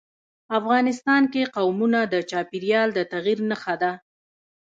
افغانستان کې قومونه د چاپېریال د تغیر نښه ده.